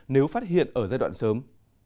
nếu phát hiện ở giai đoạn sớm